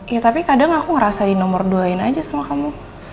ya tapi kadang aku ngerasa di nomor dua in aja sama kamu